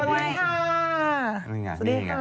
สวัสดีค่ะ